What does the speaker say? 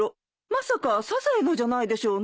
まさかサザエのじゃないでしょうね。